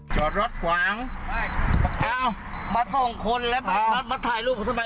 จอดรถขวางมาส่งคนแล้วมาถ่ายรูปทำไม